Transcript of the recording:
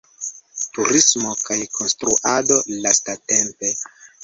Turismo kaj konstruado lastatempe.